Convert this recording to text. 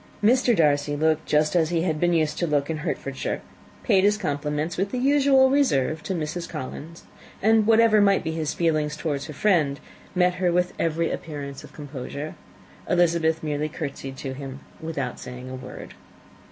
Mr. Darcy looked just as he had been used to look in Hertfordshire, paid his compliments, with his usual reserve, to Mrs. Collins; and whatever might be his feelings towards her friend, met her with every appearance of composure. Elizabeth merely courtesied to him, without saying a word.